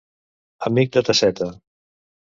Amic de tasseta.